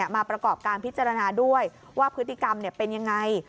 มาประกอบการพิจารณาด้วยว่าพฤติกรรมเป็นยังไง